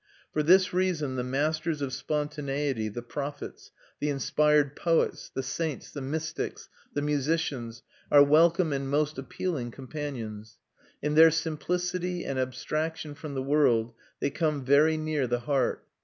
For this reason the masters of spontaneity, the prophets, the inspired poets, the saints, the mystics, the musicians are welcome and most appealing companions. In their simplicity and abstraction from the world they come very near the heart.